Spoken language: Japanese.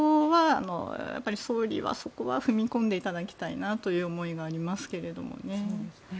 総理はそこは踏み込んでいただきたいという思いがありますけどね。